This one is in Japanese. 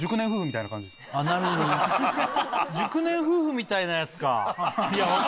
なるほどね熟年夫婦みたいなやつか。